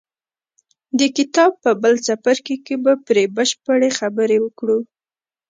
د کتاب په بل څپرکي کې به پرې بشپړې خبرې وکړو.